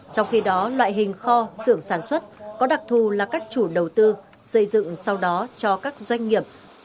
trong khi đó loại hình kho xưởng sản xuất có đặc thù là các chủ đầu tư xây dựng sau đó cho các doanh nghiệp